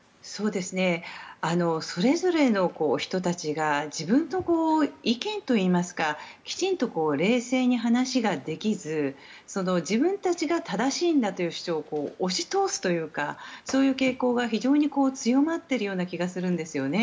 それぞれの人たちが自分の意見といいますかきちんと冷静に話ができず自分たちが正しいんだという主張を押し通すというかそういう傾向が非常に強まっている気がするんですよね。